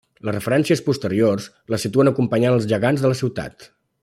Les referències posteriors la situen acompanyant els gegants de la ciutat.